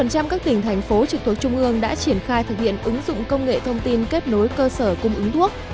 một trăm linh các tỉnh thành phố trực thuộc trung ương đã triển khai thực hiện ứng dụng công nghệ thông tin kết nối cơ sở cung ứng thuốc